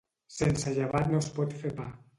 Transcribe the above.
Sense llevat no es pot fer pa.